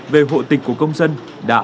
về hộ tịch của công dân đã